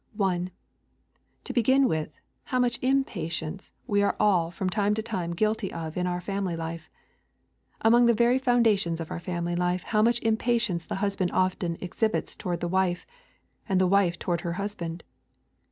1. To begin with, how much impatience we are all from time to time guilty of in our family life. Among the very foundations of our family life how much impatience the husband often exhibits toward the wife, and the wife toward her husband.